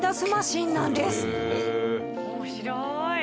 面白い！